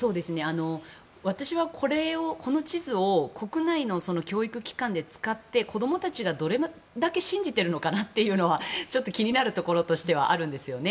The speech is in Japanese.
私はこの地図を国内の教育機関で使って、子供たちがどれだけ信じているのかはちょっと気になるところとしてはあるんですよね。